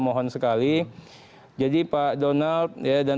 mohon sekali jadi pak donald dan